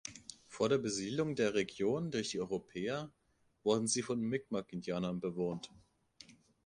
Vor der Besiedelung der Region durch die Europäer wurde sie von Mi'kmaq Indianern bewohnt.